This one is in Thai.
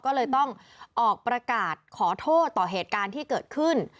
ก็เลยต้องออกประกาศขอโทษต่อเหตุการณ์ที่เกิดขึ้น